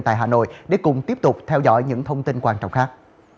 tại hà nội để cùng tiếp tục theo dõi những thông tin quan trọng khác